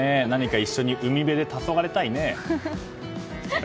一緒に海辺でたそがれたいね。